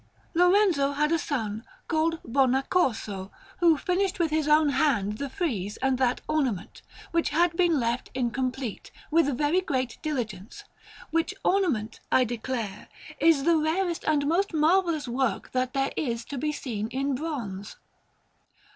Lorenzo had a son called Bonaccorso, who finished with his own hand the frieze and that ornament, which had been left incomplete, with very great diligence; which ornament, I declare, is the rarest and most marvellous work that there is to be seen in bronze.